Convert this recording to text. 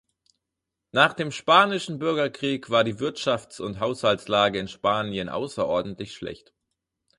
Nach dem Spanischen Bürgerkrieg war die Wirtschafts- und Haushaltslage in Spanien außerordentlich schlecht.